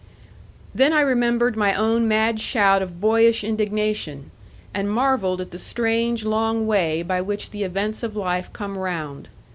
Then I remembered my own mad shout of boyish indignation, and marvelled at the strange long way by which the events of life come round.